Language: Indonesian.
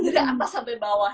dari atas sampai bawah